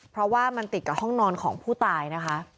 เพราะว่ามันติดกับห้องนอนของผู้ตายนะคะ